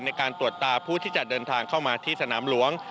ในการตรวจตาผู้ที่จะเดินทางเข้ามาที่สนามหลวง